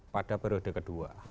pada periode kedua